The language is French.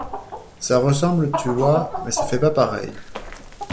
Ça ressemble, tu vois, mais ça fait pas pareil!